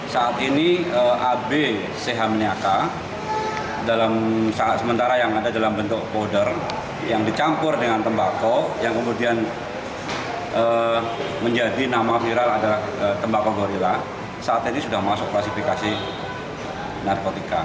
saat ini ab chmiaka dalam saat sementara yang ada dalam bentuk powder yang dicampur dengan tembakau yang kemudian menjadi nama viral adalah tembakau gorilla saat ini sudah masuk klasifikasi narkotika